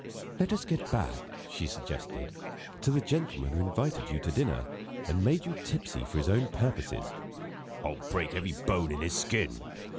"Let us get back," she suggested, "to the gentleman who invited you to dinner, and made you tipsy for his own purposes." "I'll break every bone in his skin!"